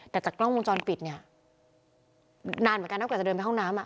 แต่จากกล้องวงจรปิดนี่นานเหมือนกันเท่ากันจะเดินไปเข้าห้องน้ำ